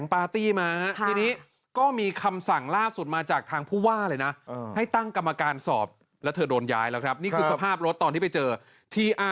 พี่เบิ๊ยเป็นแข็งปาร์ตี้มา